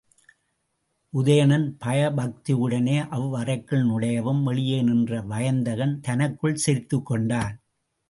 உதயணன் பயபக்தியுடனே அவ்வறைக்குள் நுழையவும் வெளியே நின்ற வயந்தகன் தனக்குள் சிரித்துக்கொண்டான்.